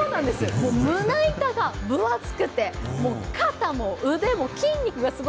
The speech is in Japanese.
胸板が分厚くて肩も腕も筋肉がすごい。